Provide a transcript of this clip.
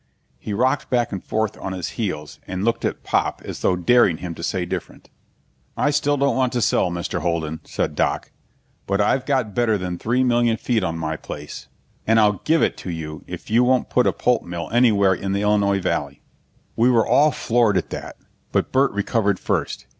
He rocked back and forth on his heels and looked at Pop as though daring him to say different. "I still don't want to sell, Mr. Holden," said Doc. "But I've got better than three million feet on my place, and I'll give it to you if you won't put a pulp mill anywhere in the Illinois Valley." We were all floored at that, but Burt recovered first.